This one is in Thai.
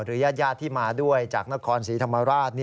ญาติที่มาด้วยจากนครศรีธรรมราช